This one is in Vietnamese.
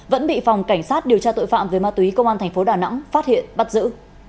vẫn bị phòng cảnh sát điều tra tội phạm về ma túy công an thành phố đà nẵng phát hiện bắt giữ